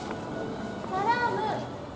サラーム！